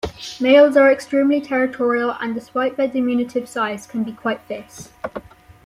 Males are extremely territorial and-despite their diminutive size-can be quite fierce.